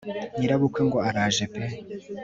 nyirabukwe ngo araje pe